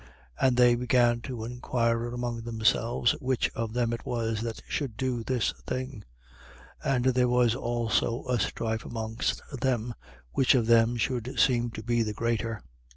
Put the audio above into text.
And they began to inquire among themselves, which of them it was that should do this thing. 22:24. And there was also a strife amongst them, which of them should seem to be the greater.